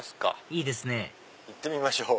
いいですね行ってみましょう。